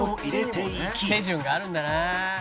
「手順があるんだなあ」